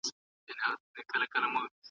توازن د هر سالم اقتصاد غوښتنه ده.